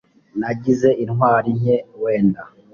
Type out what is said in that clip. nagize intwari nke wenda